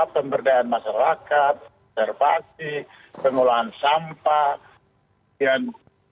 pemberdayaan masyarakat konservasi pengelolaan sampah dan